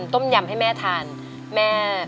ต้มยำให้แม่ทานแม่